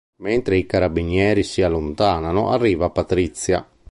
Mentre i carabinieri si allontanano arriva Patrizia.